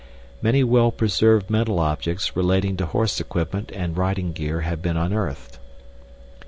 Many well preserved metal objects relating to horse equipment and riding gear have been unearthed.